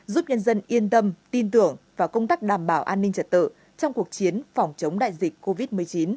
giúp nhân dân yên tâm tin tưởng vào công tác đảm bảo an ninh trật tự trong cuộc chiến phòng chống đại dịch covid một mươi chín